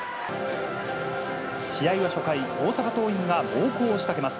試合は初回、大阪桐蔭が猛攻を仕掛けます。